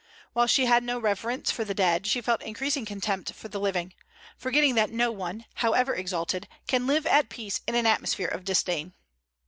While she had no reverence for the dead, she felt increasing contempt for the living, forgetting that no one, however exalted, can live at peace in an atmosphere of disdain.